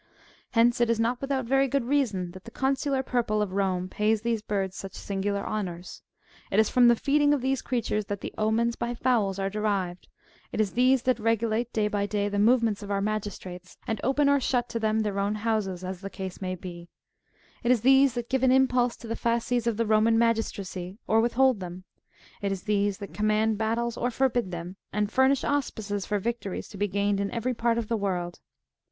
Hence, it is not without very good reason that the consular purple of Kome pays these birds such singular honours. It is from the feeding of these creatures that the omens '''' by fowls are de rived ; it is these that regulate'® day by day the movements of our magistrates, and open or shut to them their own houses, as the case may be ; it is these that give an impulse to the fasces of the Roman magistracy, or withhold them ; it is these that command battles or forbid them, and furnish auspices for victories to be gained in every part of the world.